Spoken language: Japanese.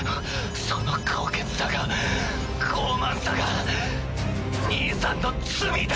その高潔さが傲慢さが兄さんの罪だ。